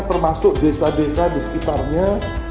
termasuk desa desa di sekitarnya